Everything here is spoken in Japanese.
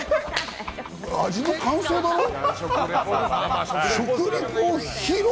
味の感想だろ。